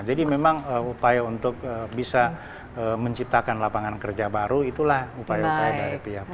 jadi memang upaya untuk bisa menciptakan lapangan kerja baru itulah upaya upaya dari pihak pemerintah